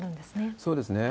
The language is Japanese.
そうですね。